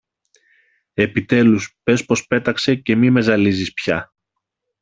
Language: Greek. Επιτέλους πες πως πέταξε και μη με ζαλίζεις πια